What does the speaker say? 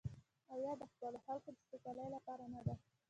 آیا او د خپلو خلکو د سوکالۍ لپاره نه ده؟